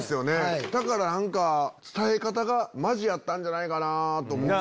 だから伝え方がマジやったんじゃないかなと思う。